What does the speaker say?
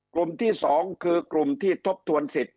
กลุ่มที่๒คือกลุ่มที่ทบทวนสิทธิ